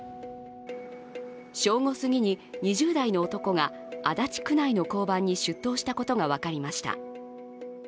正午すぎに２０代の男が足立区内の交番に出頭したことが分かりました。